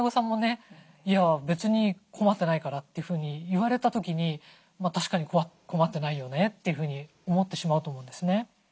「別に困ってないから」ってふうに言われた時に確かに困ってないよねというふうに思ってしまうと思うんですよね。